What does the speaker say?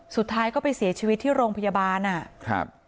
สุดท้ายก็ไปเสียชีวิตที่โรงพยาบาล